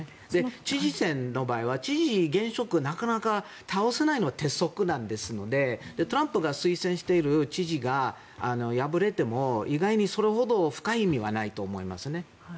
知事選の場合は知事、現職なかなか倒せないのが鉄則ですのでトランプが推薦している知事が敗れても意外にそれほど深い意味はないと思います。